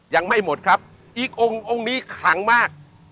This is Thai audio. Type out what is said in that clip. ยังไม่หมดครับอีกองค์องค์นี้ขังมาก